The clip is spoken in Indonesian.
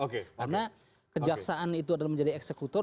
karena kejaksaan itu adalah menjadi eksekutor